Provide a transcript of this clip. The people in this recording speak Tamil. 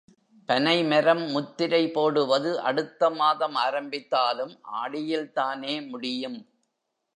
பனைமரம் முத்திரை போடுவது அடுத்த மாதம் ஆரம்பித்தாலும் ஆடியில் தானே முடியும்?